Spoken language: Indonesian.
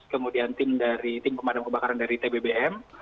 kemudian tim dari tim pemadam kebakaran dari tbbm